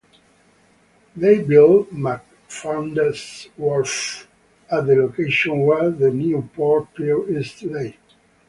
They built McFaddens' Wharf at the location where the Newport Pier is today.